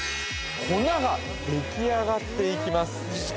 粉ができあがっていきます